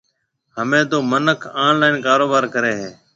ھميَ تو منک آن لائن ڪاروبار ڪرَي ھيََََ